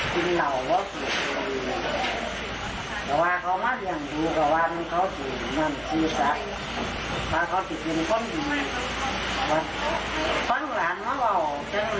แต่ว่าเค้ามาเลี้ยงดูแต่ว่ามันเค้าถึงมันคือสัตว์มันเค้าถึงเป็นคนอื่น